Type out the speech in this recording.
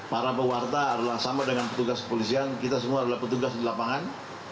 para pewarta adalah sama dengan petugas kepolisian kita semua adalah petugas di lapangan